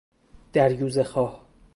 دریوزه خواه